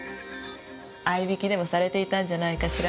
逢い引きでもされていたんじゃないかしら。